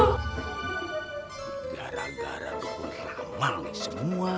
gara gara gue beramal nih semua